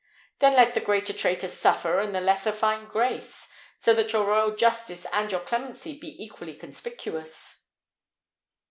Then let the greater traitor suffer and the lesser find grace, so that your royal justice and your clemency be equally conspicuous."